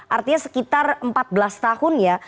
artinya sekitar empat belas tahun ya